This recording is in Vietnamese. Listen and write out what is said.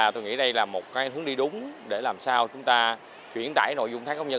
tôi nghĩ đây là một hướng đi đúng để làm sao chúng ta chuyển tải nội dung tháng công nhân